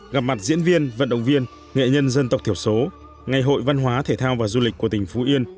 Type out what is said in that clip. gặp mặt diễn viên vận động viên nghệ nhân dân tộc thiểu số ngày hội văn hóa thể thao và du lịch của tỉnh phú yên